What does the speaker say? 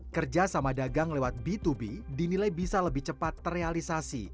kerja sama dagang lewat b dua b dinilai bisa lebih cepat terrealisasi